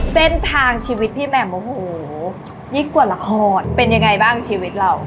เส้นทางชีวิตที่เป็นยิควิทย์ละครเป็นยังไงบ้างชีวิตเรา